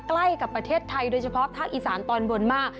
ใกล้กับประเทศไทยโดยเฉพาะภาคอีสานตอนบนมาก